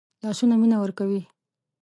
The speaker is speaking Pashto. لاسونه مینه ورکوي